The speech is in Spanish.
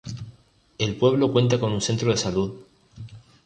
El pueblo cuenta con un centro de salud.